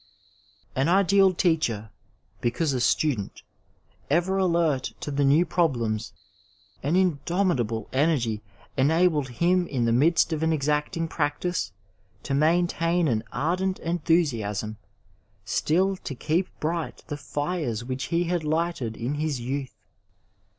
An ideal teacher because a student, ever alert to the new problems, an indomitable energy enabled him in the midst of an exacting practice to maintain an ardent enthusiasm, still to keep bright the fires which he had lighted in his youth.